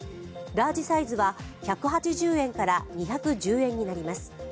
ラージサイズは１８０円から２１０円になります。